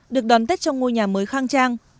được đón tết trong ngôi nhà mới khang trang